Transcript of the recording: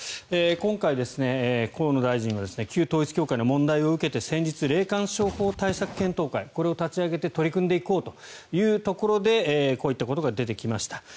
今回、河野大臣は旧統一教会の問題を受けて先日、霊感商法対策検討会これを立ち上げて取り組んでいこうというところでこういったことが出てきました。